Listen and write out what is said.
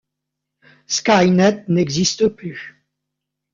Skynet n’existe plus.